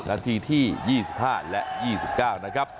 นาทีที่๒๕และ๒๙นะครับ